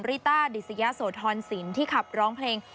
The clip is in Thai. ริต้าดิสยะโสธรสินที่ขับร้องเพลง